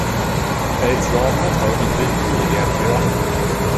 Elle se rencontre à Omiltemi et à Amula.